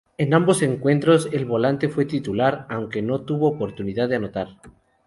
En ambos encuentros, el volante fue titular, aunque no tuvo oportunidad de anotar.